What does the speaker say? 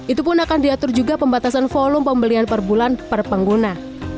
itu pun akan diatur juga pembatasan volume pembelian per bulan per pengguna